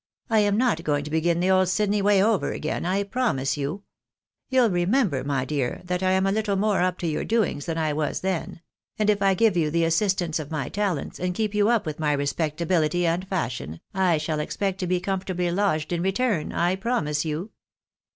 " I am not going to begin the old Sydney way over again, I promise you. You'U re member, my dear, that I am a little more up to your doings than I was then ; and if I give you the assistance of my talents, and keep you up with my respectability and fashion, I shall expect to be comfortably lodged in return, I promise you."